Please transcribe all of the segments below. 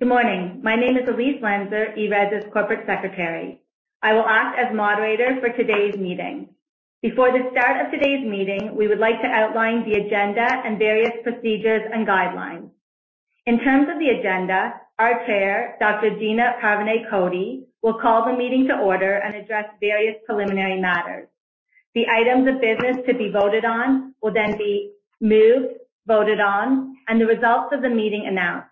Good morning. My name is Elise Lenzer, ERES's Corporate Secretary. I will act as moderator for today's meeting. Before the start of today's meeting, we would like to outline the agenda and various procedures and guidelines. In terms of the agenda, our chair, Dr. Gina Parvaneh Cody, will call the meeting to order and address various preliminary matters. The items of business to be voted on will then be moved, voted on, and the results of the meeting announced.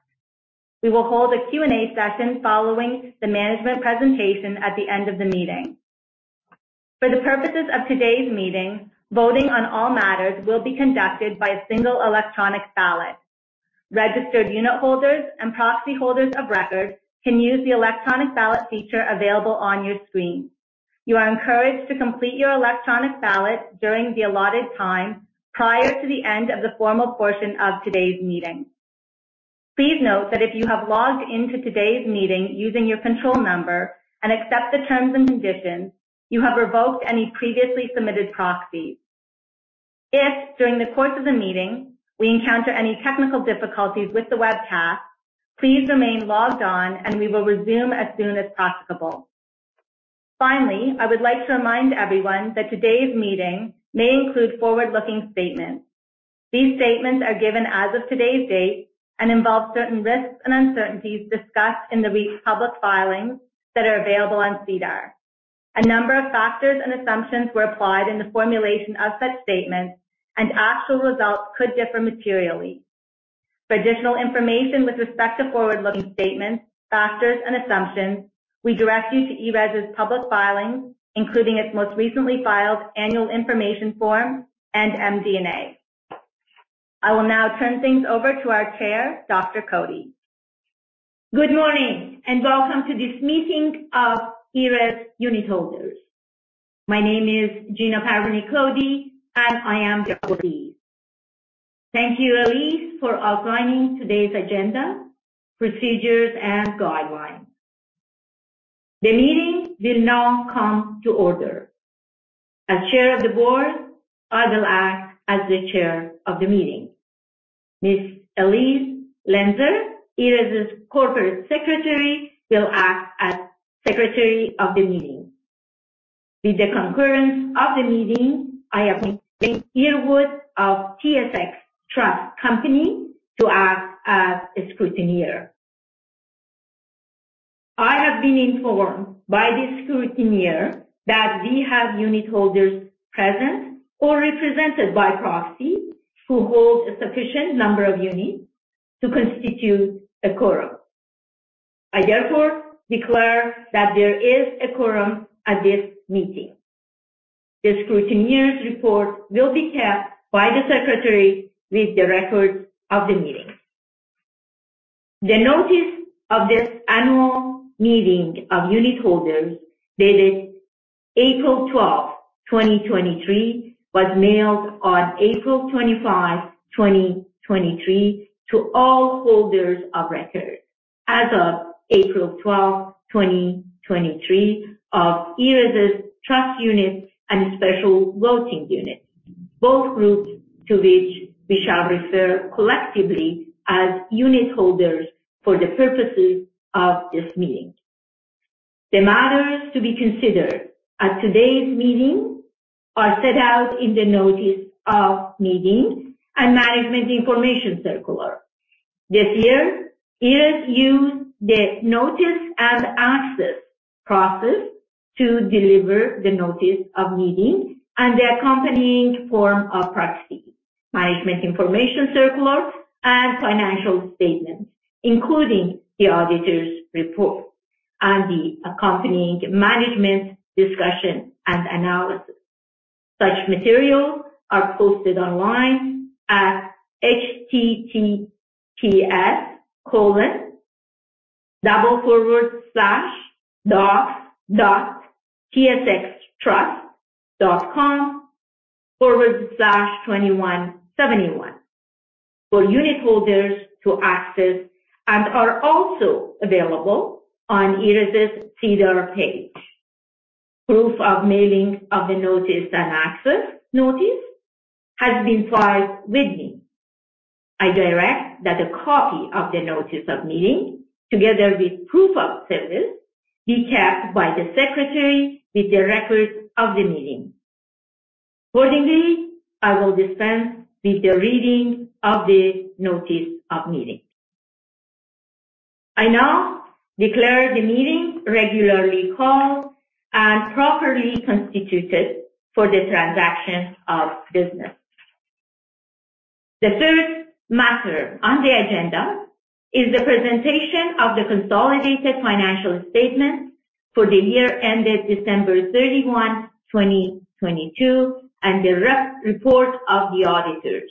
We will hold a Q&A session following the management presentation at the end of the meeting. For the purposes of today's meeting, voting on all matters will be conducted by a single electronic ballot. Registered unitholders and proxy holders of records can use the electronic ballot feature available on your screen. You are encouraged to complete your electronic ballot during the allotted time prior to the end of the formal portion of today's meeting. Please note that if you have logged into today's meeting using your control number and accept the terms and conditions, you have revoked any previously submitted proxies. If during the course of the meeting, we encounter any technical difficulties with the webcast, please remain logged on and we will resume as soon as possible. Finally, I would like to remind everyone that today's meeting may include forward-looking statements. These statements are given as of today's date and involve certain risks and uncertainties discussed in the recent public filings that are available on SEDAR. A number of factors and assumptions were applied in the formulation of such statements, and actual results could differ materially. For additional information with respect to forward-looking statements, factors, and assumptions, we direct you to ERES's public filings, including its most recently filed annual information form and MD&A. I will now turn things over to our Chair, Dr. Cody. Good morning, and welcome to this meeting of ERES unitholders. My name is Gina Parvaneh Cody, and I am the Chair. Thank you, Elise, for outlining today's agenda, procedures, and guidelines. The meeting will now come to order. As chair of the board, I will act as the chair of the meeting. Ms. Elise Lenzer, ERES's corporate secretary, will act as secretary of the meeting. With the concurrence of the meeting, I appoint Lynn Earwood of TSX Trust Company to act as a scrutineer. I have been informed by the scrutineer that we have unitholders present or represented by proxy, who hold a sufficient number of units to constitute a quorum. I therefore declare that there is a quorum at this meeting. The scrutineer's report will be kept by the secretary with the records of the meeting. The notice of this annual meeting of unitholders, dated April 12, 2023, was mailed on April 25, 2023, to all holders of record as of April 12, 2023, of ERES's trust units and special voting units, both groups to which we shall refer collectively as unitholders for the purposes of this meeting. The matters to be considered at today's meeting are set out in the notice of meeting and management information circular. This year, ERES used the notice-and-access process to deliver the notice of meeting and the accompanying form of proxy, management information circular, and financial statement, including the auditor's report and the accompanying management discussion and analysis. Such materials are posted online at https://docs.tsxtrust.com/2171 for unitholders to access and are also available on ERES's SEDAR page. Proof of mailing of the notice-and-access notice has been filed with me. I direct that a copy of the notice of meeting, together with proof of service, be kept by the secretary with the records of the meeting. Accordingly, I will dispense with the reading of the notice of meeting. I now declare the meeting regularly called and properly constituted for the transaction of business. The third matter on the agenda is the presentation of the consolidated financial statements for the year ended December 31, 2022, and the report of the auditors.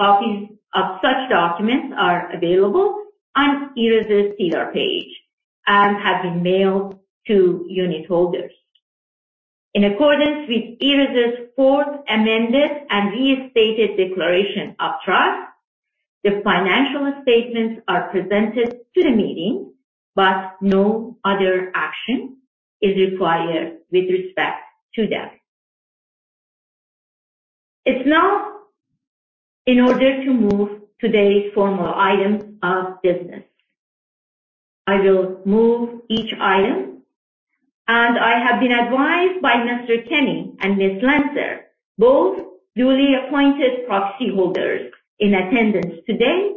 Copies of such documents are available on ERES's SEDAR page and have been mailed to unitholders. In accordance with ERES's Fourth Amended and Restated Declaration of Trust, the financial statements are presented to the meeting, but no other action is required with respect to them. It's now in order to move today's formal items of business. I will move each item, and I have been advised by Mr. Kenney and Ms. Lenzer, both duly appointed proxy holders in attendance today,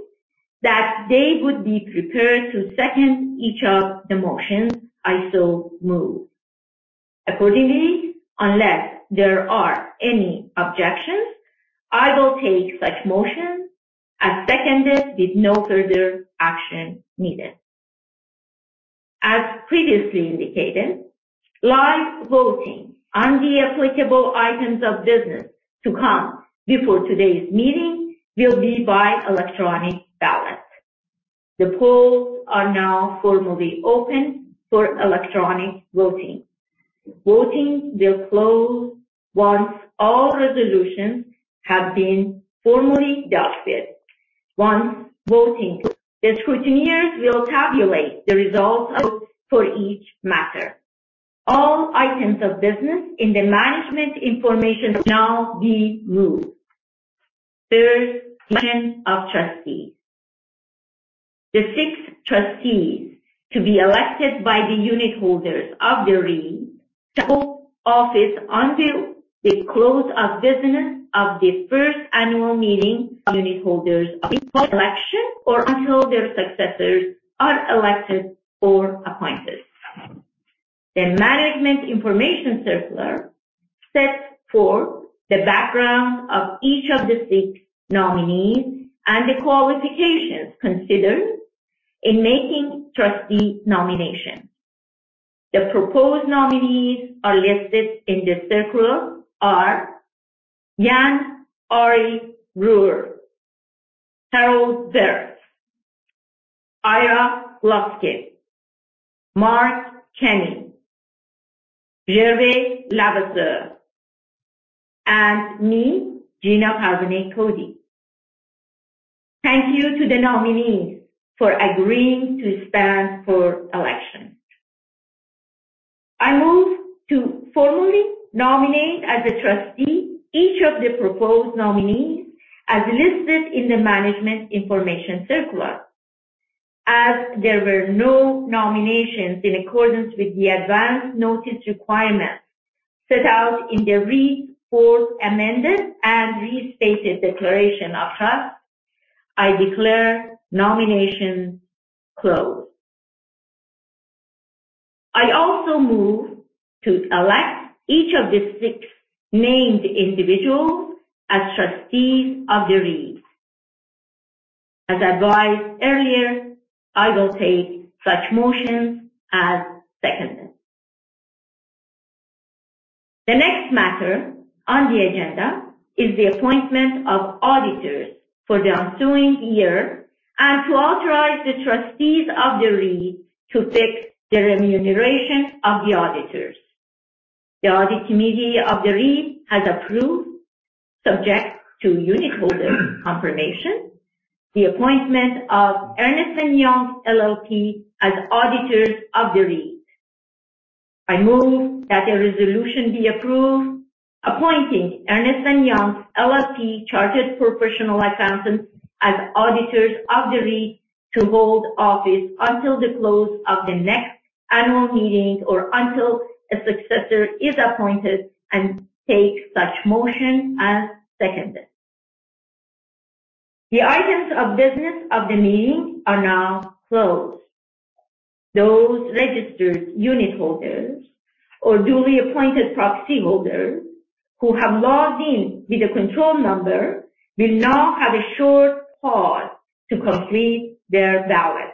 that they would be prepared to second each of the motions I so move. Accordingly, unless there are any objections, I will take such motions as seconded with no further action needed. As previously indicated, live voting on the applicable items of business to come before today's meeting will be by electronic ballot. The polls are now formally open for electronic voting. Voting will close once all resolutions have been formally adopted. Once voting, the scrutineers will tabulate the results for each matter. All items of business in the management information now be moved. First, election of trustees. The six trustees to be elected by the unitholders of the REIT to hold office until the close of business of the first annual meeting of unitholders of election, or until their successors are elected or appointed. The Management Information Circular sets forth the background of each of the six nominees and the qualifications considered in making trustee nominations. The proposed nominees listed in the circular are Arian Breure, Harold Dirks, Ira Gluskin, Mark Kenney, Gervais Levasseur, and me, Gina Parvaneh Cody. Thank you to the nominees for agreeing to stand for election. I move to formally nominate as a trustee each of the proposed nominees as listed in the Management Information Circular. As there were no nominations in accordance with the advance notice requirements set out in the REIT's Fourth Amended and Restated Declaration of Trust, I declare nominations closed. I also move to elect each of the six named individuals as trustees of the REIT. As advised earlier, I will take such motions as seconded. The next matter on the agenda is the appointment of auditors for the ensuing year and to authorize the trustees of the REIT to fix the remuneration of the auditors. The Audit Committee of the REIT has approved, subject to unitholder confirmation, the appointment of Ernst & Young LLP as auditors of the REIT. I move that a resolution be approved, appointing Ernst & Young LLP, Chartered Professional Accountants, as auditors of the REIT to hold office until the close of the next annual meeting or until a successor is appointed and take such motion as seconded. The items of business of the meeting are now closed. Those registered unitholders or duly appointed proxyholders who have logged in with a control number will now have a short pause to complete their ballot.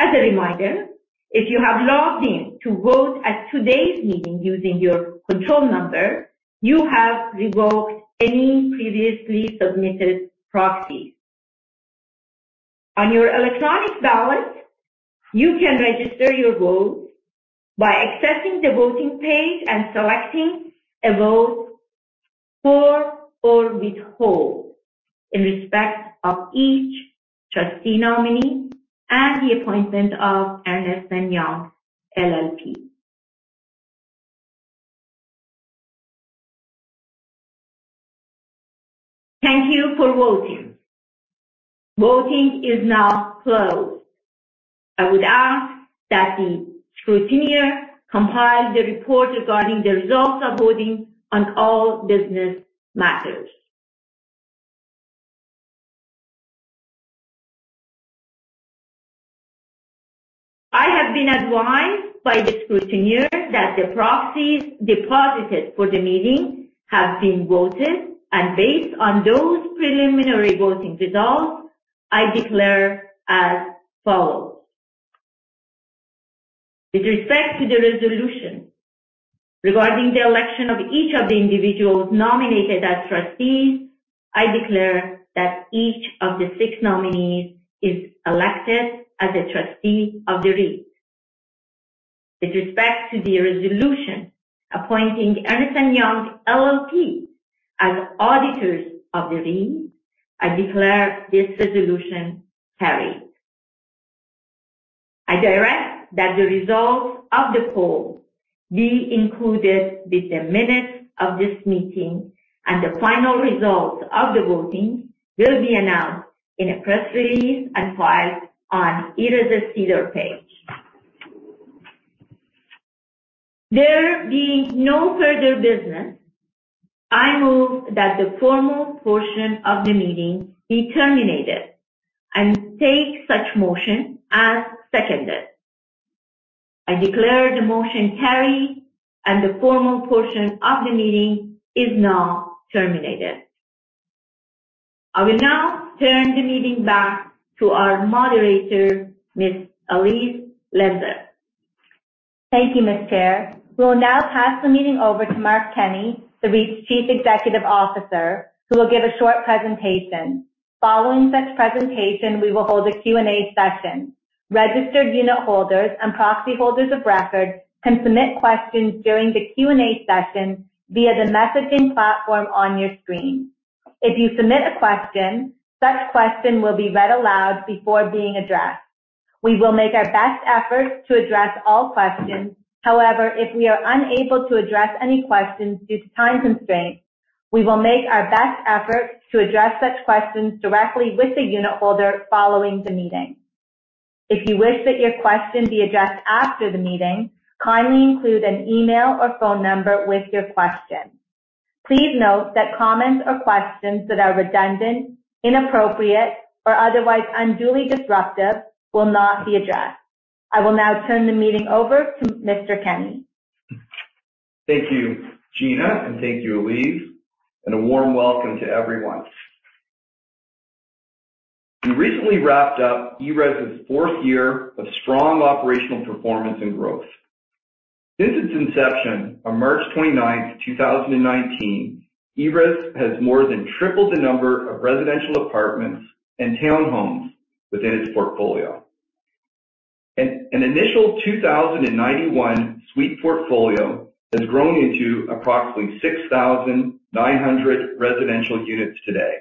As a reminder, if you have logged in to vote at today's meeting using your control number, you have revoked any previously submitted proxies. On your electronic ballot, you can register your vote by accessing the voting page and selecting a vote for or withhold, in respect of each trustee nominee and the appointment of Ernst & Young LLP. Thank you for voting. Voting is now closed. I would ask that the scrutineer compile the report regarding the results of voting on all business matters. I have been advised by the scrutineer that the proxies deposited for the meeting have been voted, and based on those preliminary voting results, I declare as follows: With respect to the resolution regarding the election of each of the individuals nominated as trustees, I declare that each of the six nominees is elected as a trustee of the REIT. With respect to the resolution appointing Ernst & Young LLP as auditors of the REIT, I declare this resolution carried. I direct that the results of the poll be included with the minutes of this meeting, and the final results of the voting will be announced in a press release and filed on ERES's SEDAR+ page. There being no further business, I move that the formal portion of the meeting be terminated and take such motion as seconded. I declare the motion carried, and the formal portion of the meeting is now terminated. I will now turn the meeting back to our moderator, Ms. Elise Lezner. Thank you, Ms. Chair. We'll now pass the meeting over to Mark Kenney, the REIT's chief executive officer, who will give a short presentation. Following such presentation, we will hold a Q&A session. Registered unitholders and proxyholders of record can submit questions during the Q&A session via the messaging platform on your screen. If you submit a question, such question will be read aloud before being addressed. We will make our best effort to address all questions. However, if we are unable to address any questions due to time constraints, we will make our best effort to address such questions directly with the unitholder following the meeting. If you wish that your question be addressed after the meeting, kindly include an email or phone number with your question. Please note that comments or questions that are redundant, inappropriate, or otherwise unduly disruptive will not be addressed. I will now turn the meeting over to Mr. Kenney. Thank you, Gina, thank you, Elise, a warm welcome to everyone. We recently wrapped up ERES's fourth year of strong operational performance and growth. Since its inception on March 29, 2019, ERES has more than tripled the number of residential apartments and townhomes within its portfolio. An initial 2,091 suite portfolio has grown into approximately 6,900 residential units today.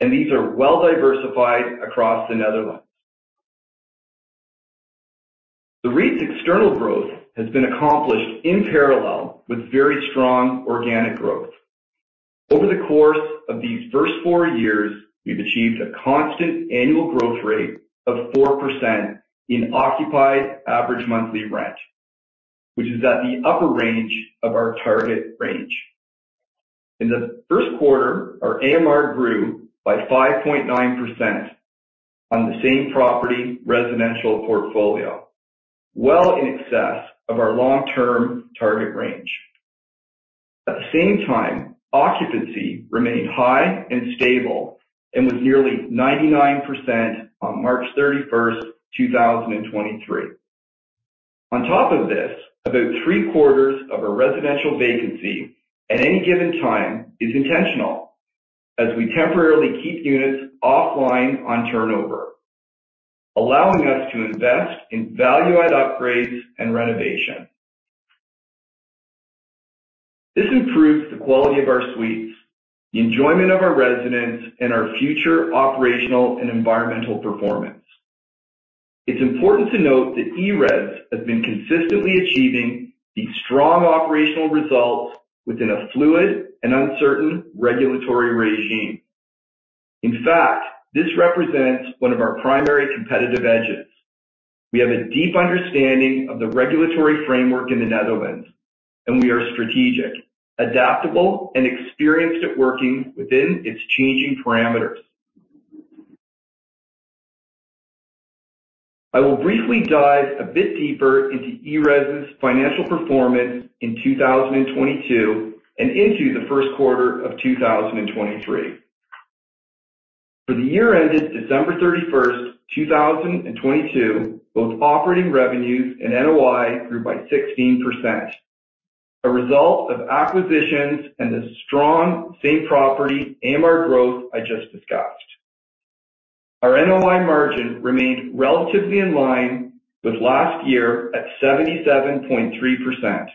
These are well diversified across the Netherlands. The REIT's external growth has been accomplished in parallel with very strong organic growth. Over the course of these first four years, we've achieved a constant annual growth rate of 4% in occupied average monthly rent, which is at the upper range of our target range. In the first quarter, our AMR grew by 5.9% on the same property residential portfolio, well in excess of our long-term target range. At the same time, occupancy remained high and stable and was nearly 99% on March 31st, 2023. On top of this, about three-quarters of our residential vacancy at any given time is intentional, as we temporarily keep units offline on turnover, allowing us to invest in value-add upgrades and renovation. This improves the quality of our suites, the enjoyment of our residents, and our future operational and environmental performance. It's important to note that ERES has been consistently achieving these strong operational results within a fluid and uncertain regulatory regime. In fact, this represents one of our primary competitive edges. We have a deep understanding of the regulatory framework in the Netherlands, we are strategic, adaptable, and experienced at working within its changing parameters. I will briefly dive a bit deeper into ERES's financial performance in 2022 and into the first quarter of 2023. For the year ended December 31, 2022, both operating revenues and NOI grew by 16%, a result of acquisitions and the strong same property AMR growth I just discussed. Our NOI margin remained relatively in line with last year at 77.3%,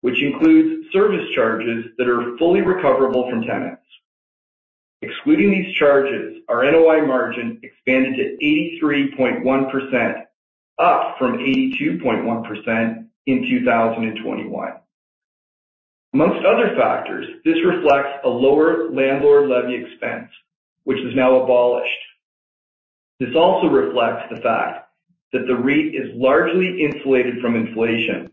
which includes service charges that are fully recoverable from tenants. Excluding these charges, our NOI margin expanded to 83.1%, up from 82.1% in 2021. Amongst other factors, this reflects a lower landlord levy expense, which is now abolished. This also reflects the fact that the REIT is largely insulated from inflation.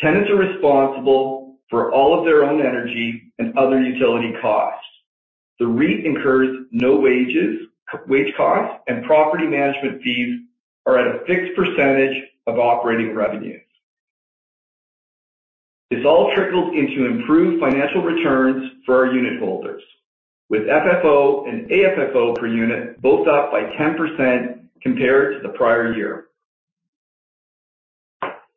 Tenants are responsible for all of their own energy and other utility costs. The REIT incurs no wages, wage costs, and property management fees are at a fixed percentage of operating revenues. This all trickles into improved financial returns for our unitholders, with FFO and AFFO per unit both up by 10% compared to the prior year.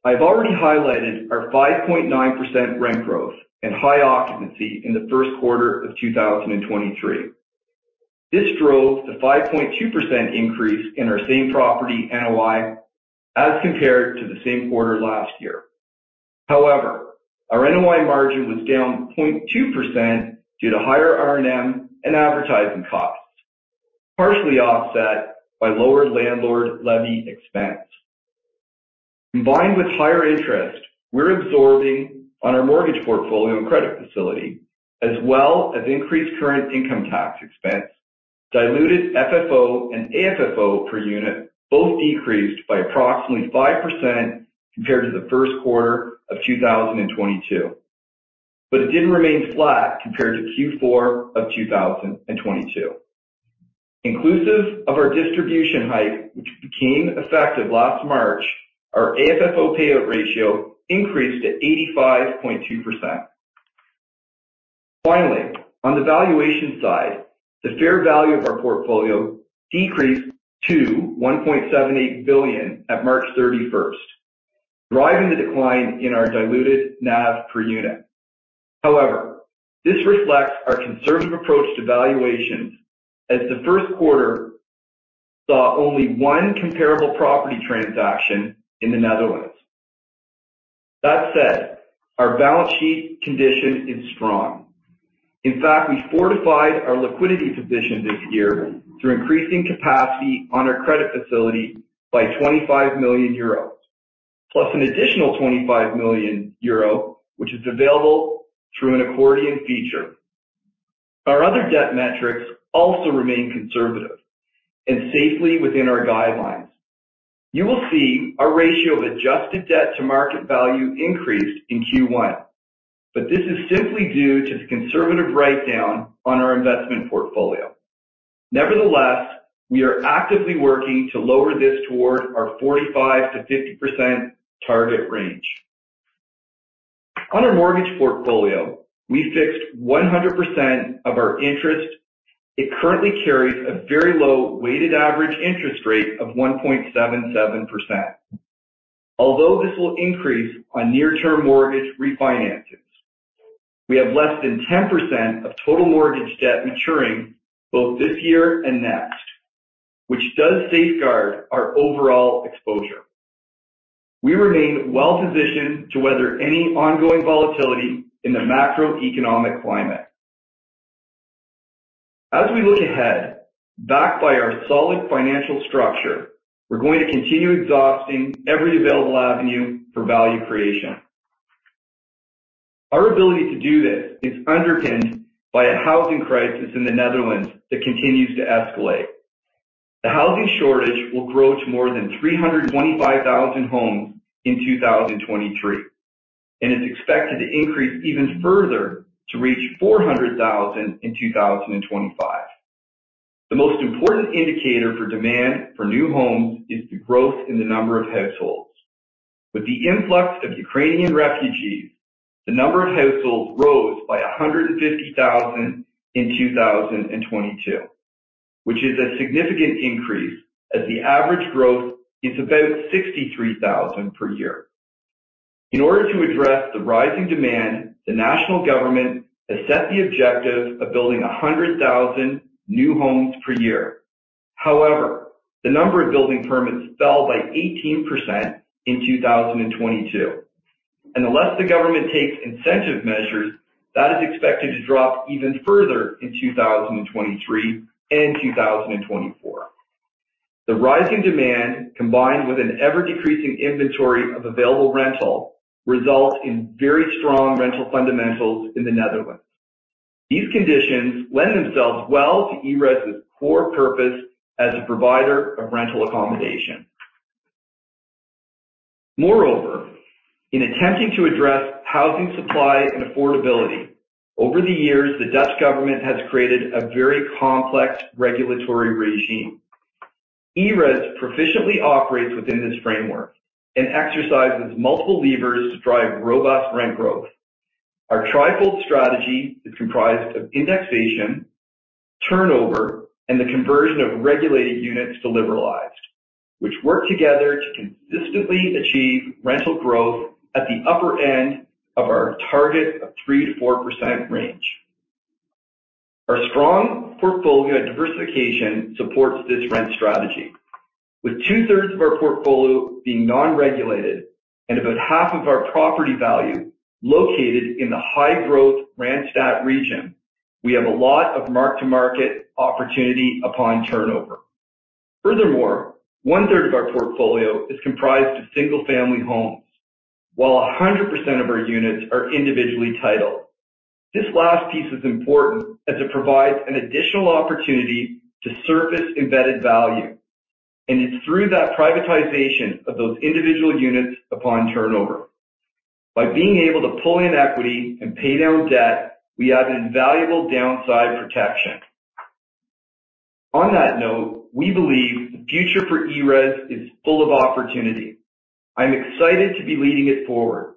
I've already highlighted our 5.9% rent growth and high occupancy in the first quarter of 2023. This drove the 5.2% increase in our same property NOI as compared to the same quarter last year. However, our NOI margin was down 0.2% due to higher R&M and advertising costs, partially offset by lower landlord levy expense. Combined with higher interest, we're absorbing on our mortgage portfolio and credit facility, as well as increased current income tax expense, diluted FFO and AFFO per unit both decreased by approximately 5% compared to the first quarter of 2022. It did remain flat compared to Q4 of 2022. Inclusive of our distribution hike, which became effective last March, our AFFO payout ratio increased to 85.2%. Finally, on the valuation side, the fair value of our portfolio decreased to 1.78 billion at March 31st, driving the decline in our diluted NAV per unit. This reflects our conservative approach to valuations, as the first quarter saw only one comparable property transaction in the Netherlands. Our balance sheet condition is strong. In fact, we fortified our liquidity position this year through increasing capacity on our credit facility by 25 million euros, plus an additional 25 million euro, which is available through an accordion feature. Our other debt metrics also remain conservative and safely within our guidelines. You will see our ratio of adjusted debt to market value increased in Q1, but this is simply due to the conservative write-down on our investment portfolio. Nevertheless, we are actively working to lower this toward our 45%-50% target range. On our mortgage portfolio, we fixed 100% of our interest. It currently carries a very low weighted average interest rate of 1.77%. Although this will increase on near-term mortgage refinances, we have less than 10% of total mortgage debt maturing both this year and next, which does safeguard our overall exposure. We remain well-positioned to weather any ongoing volatility in the macroeconomic climate. As we look ahead, backed by our solid financial structure, we're going to continue exhausting every available avenue for value creation. Our ability to do this is underpinned by a housing crisis in the Netherlands that continues to escalate. The housing shortage will grow to more than 325,000 homes in 2023, and it's expected to increase even further to reach 400,000 in 2025. The most important indicator for demand for new homes is the growth in the number of households. With the influx of Ukrainian refugees, the number of households rose by 150,000 in 2022, which is a significant increase as the average growth is about 63,000 per year. In order to address the rising demand, the national government has set the objective of building 100,000 new homes per year. However, the number of building permits fell by 18% in 2022, and unless the government takes incentive measures, that is expected to drop even further in 2023 and 2024. The rising demand, combined with an ever-decreasing inventory of available rental, results in very strong rental fundamentals in the Netherlands. These conditions lend themselves well to ERES' core purpose as a provider of rental accommodation. Moreover, in attempting to address housing supply and affordability, over the years, the Dutch government has created a very complex regulatory regime. ERES proficiently operates within this framework and exercises multiple levers to drive robust rent growth. Our trifold strategy is comprised of indexation, turnover, and the conversion of regulated units to liberalized, which work together to consistently achieve rental growth at the upper end of our target of 3%-4% range. Our strong portfolio diversification supports this rent strategy. With two-thirds of our portfolio being non-regulated and about half of our property value located in the high-growth Randstad region, we have a lot of mark-to-market opportunity upon turnover. Furthermore, one-third of our portfolio is comprised of single-family homes, while 100% of our units are individually titled. This last piece is important as it provides an additional opportunity to surface embedded value, and it's through that privatization of those individual units upon turnover. By being able to pull in equity and pay down debt, we add an invaluable downside protection. On that note, we believe the future for ERES is full of opportunity. I'm excited to be leading it forward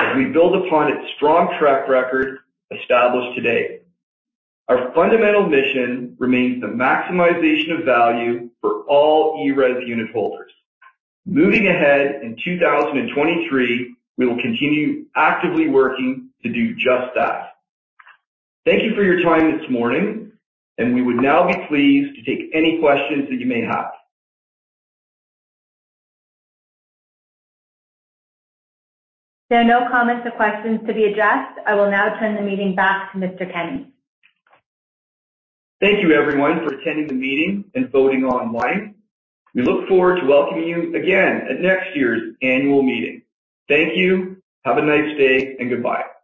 as we build upon its strong track record established today. Our fundamental mission remains the maximization of value for all ERES unitholders. Moving ahead, in 2023, we will continue actively working to do just that. Thank you for your time this morning. We would now be pleased to take any questions that you may have. There are no comments or questions to be addressed. I will now turn the meeting back to Mr. Kenney. Thank you everyone for attending the meeting and voting online. We look forward to welcoming you again at next year's annual meeting. Thank you. Have a nice day and goodbye.